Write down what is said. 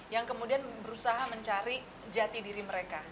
yang kemudian berusaha mencari jati diri mereka